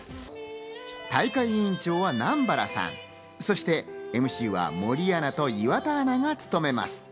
大会委員長は南原さん、そしてＭＣは森アナと岩田アナが務めます。